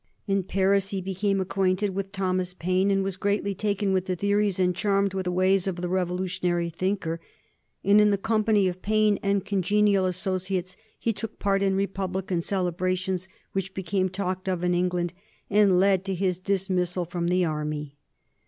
In Paris he became acquainted with Thomas Paine and was greatly taken with the theories and charmed with the ways of the revolutionary thinker, and in the company of Paine and congenial associates he took part in Republican celebrations which became talked of in England and led to his dismissal from the army.